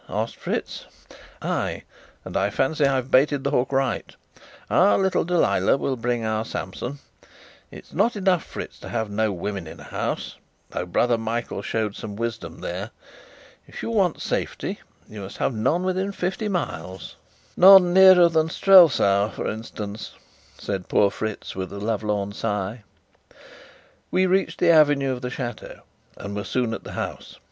asked Fritz. "Ay, and I fancy I've baited the hook right. Our little Delilah will bring our Samson. It is not enough, Fritz, to have no women in a house, though brother Michael shows some wisdom there. If you want safety, you must have none within fifty miles." "None nearer than Strelsau, for instance," said poor Fritz, with a lovelorn sigh. We reached the avenue of the chateau, and were soon at the house.